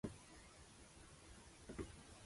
En el siglo d. C. comenzaron los problemas.